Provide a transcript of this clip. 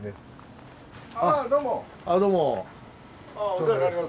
お世話になります。